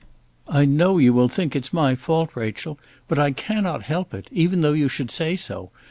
"I know you will think it's my fault, Rachel; but I cannot help it, even though you should say so.